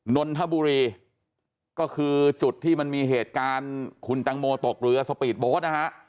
นนทบุรีก็คือจุดที่มันมีเหตุการณ์คุณตังโมตกเรือสปีดโบ๊ทนะฮะ